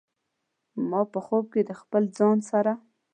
ما په خوب کې د خپل ځان سره